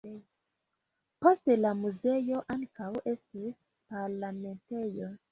Poste la muzeo ankaŭ estis parlamentejo.